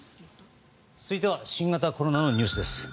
続いては新型コロナのニュースです。